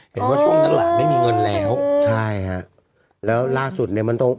เห็นว่าช่วงนั้นหลานไม่มีเงินแล้วใช่ฮะแล้วล่าสุดเนี่ยมันต้อง